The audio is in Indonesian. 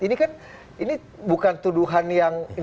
ini kan ini bukan tuduhan yang